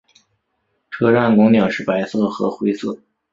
车站拱顶是白色和灰色。